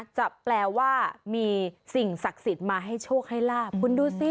จะแปลว่ามีสิ่งศักดิ์สิทธิ์มาให้โชคให้ลาบคุณดูสิ